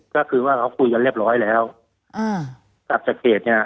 ก็คือว่าเขาคุยกันเรียบร้อยแล้วอ่ากลับจากเขตเนี่ย